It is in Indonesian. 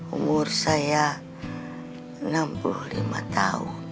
umur saya enam puluh lima tahun